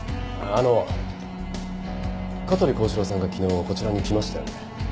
あの香取孝史郎さんが昨日こちらに来ましたよね？